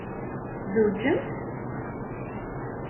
Tzewǧemt?